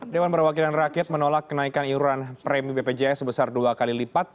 dewan perwakilan rakyat menolak kenaikan iuran premi bpjs sebesar dua kali lipat